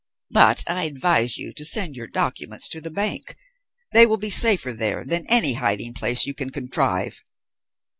But I advise you to send your documents to the bank. They will be safer there than in any hiding place you can contrive."